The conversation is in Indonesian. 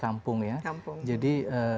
kampung ya kampung jadi